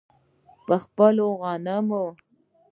په خپلو غنمو.